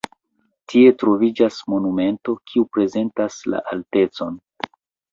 Tie troviĝas monumento kiu prezentas la altecon.